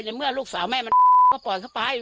แต่เมื่อลูกสาวแม่มันปล่อยเข้าไป